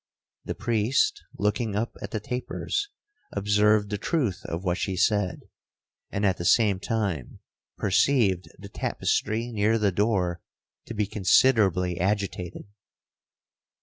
'The priest, looking up at the tapers, observed the truth of what she said,—and at the same time perceived the tapestry near the door to be considerably agitated.